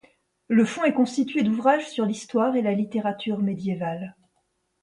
Le fonds est constitué d’ouvrages sur l’histoire et la littérature médiévale.